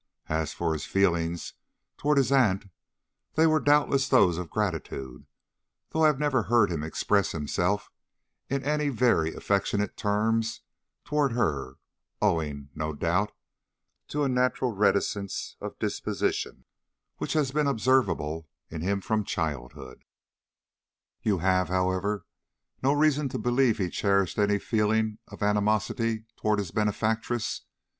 As for his feelings toward his aunt, they were doubtless those of gratitude, though I have never heard him express himself in any very affectionate terms toward her, owing, no doubt, to a natural reticence of disposition which has been observable in him from childhood." "You have, however, no reason to believe he cherished any feelings of animosity toward his benefactress?"